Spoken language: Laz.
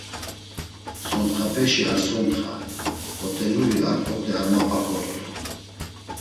Sontxapeşi ar sontxa, p̌ot̆enuri ar p̌ot̆e ar mapa kort̆u.